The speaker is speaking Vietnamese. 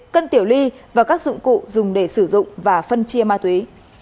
cân tiểu ly và các dụng cụ dùng để sử dụng và phân chia ma túy